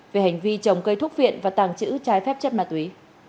về hành vi trồng cây thuốc viện và tàng trữ trái phép chất ma túy